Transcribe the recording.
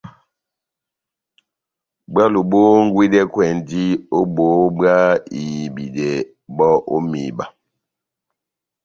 Bwálo bόhongwidɛkwɛndi ó bohó bwá ihibidɛ bɔ́ ó mihiba